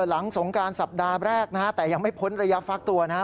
หลังสงครานสัปดาห์แรกแต่ยังไม่พ้นระยะฟักตัวนะครับ